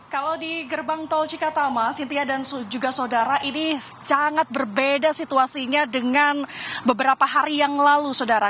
kalau di gerbang tol cikatama cynthia dan juga saudara ini sangat berbeda situasinya dengan beberapa hari yang lalu saudara